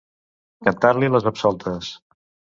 Cantar-li les absoltes.